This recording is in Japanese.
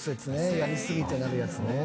やりすぎてなるやつね。